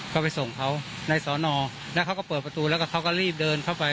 ก็ไปส่งเขาในสอนอแล้วเขาก็เปิดประตูแล้วก็เขาก็รีบเดินเข้าไป